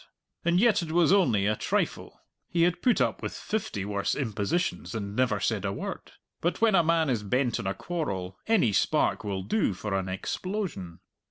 And yet it was only a trifle. He had put up with fifty worse impositions and never said a word. But when a man is bent on a quarrel any spark will do for an explosion.